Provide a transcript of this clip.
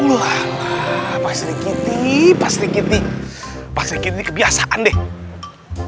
ulah ulah pasti gitu pasti gitu pasti gitu kebiasaan deh